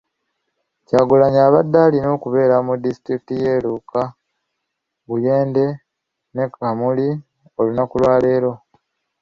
Kyagulanyi abadde alina okubeera mu disitulikiti y'e Luuka, Buyende ne Kamuli olunaku lwaleero.